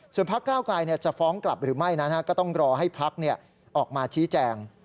พักก้าวไกลจะฟ้องกลับหรือไม่นั้นก็ต้องรอให้พักออกมาชี้แจง